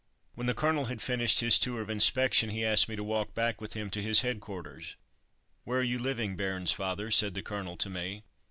When the Colonel had finished his tour of inspection he asked me to walk back with him to his headquarters. "Where are you living, Bairnsfather?" said the Colonel to me.